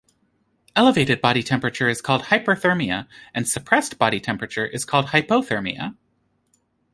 Elevated body temperature is called hyperthermia, and suppressed body temperature is called hypothermia.